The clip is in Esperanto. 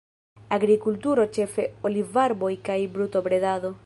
Agrikulturo, ĉefe olivarboj, kaj brutobredado.